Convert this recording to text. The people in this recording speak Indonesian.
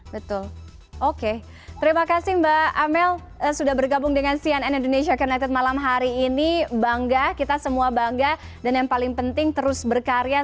betul oke terima kasih mbak amel sudah bergabung dengan cnn indonesia connected malam hari ini bangga kita semua bangga dan yang paling penting terus berkarya